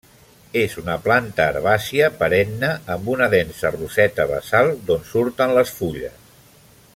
És una planta herbàcia perenne amb una densa roseta basal d'on surten les fulles.